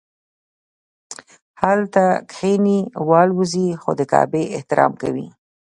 هلته کښیني والوځي خو د کعبې احترام کوي.